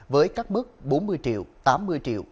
với các mức bốn mươi triệu tám mươi triệu